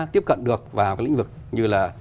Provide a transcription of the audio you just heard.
tiếp cận được vào cái lĩnh vực như là